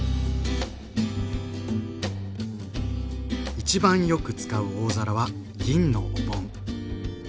一番よく使う大皿は銀のお盆。